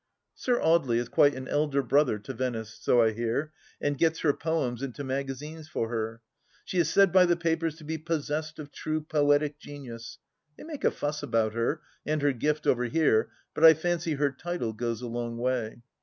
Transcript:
Sir Audely is quite an elder brother to Venice, so I hear, and gets her poems into magazines for her. She is said by the papers to " be possessed of true poetic genius." They make a fuss about her and her gift over here, but I fancy her title goes a long way.